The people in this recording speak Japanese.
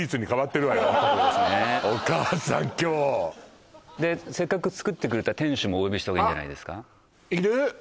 今日でせっかく作ってくれた店主もお呼びしたほうがいいんじゃないですかいる？